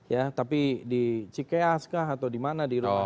ya tapi di cikeaskah atau di mana di rumahnya